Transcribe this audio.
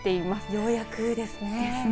ようやくですね。